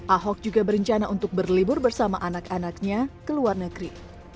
ahok juga berencana untuk berlibur bersama anak anaknya ke luar negeri